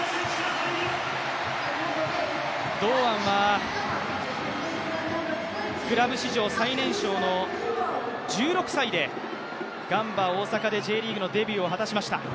堂安はクラブ史上最年少の１６歳でガンバ大阪でＪリーグのデビューを果たしました。